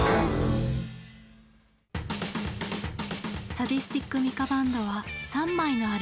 サディスティック・ミカ・バンドは３枚のアルバムを残し